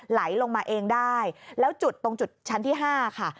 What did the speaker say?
ไหลลงมาเองได้แล้วจุดตรงจุดชั้นที่๕ค่ะ